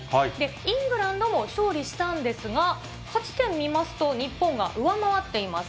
イングランドも勝利したんですが、勝ち点見ますと、日本が上回っています。